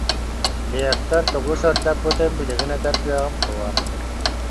Лектор тугу сырдаппытын билигин этэр кыаҕым суох